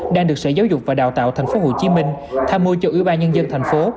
đang được sở giáo dục và đào tạo tp hcm tham môi cho ưu ba nhân dân thành phố